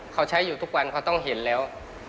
เขาใช้อยู่ทุกวันเขาต้องเห็นแล้ว